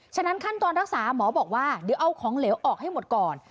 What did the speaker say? ฉะนั้นขั้นตอนรักษาหมอบอกว่าเดี๋ยวเอาของเหลวออกให้หมดก่อน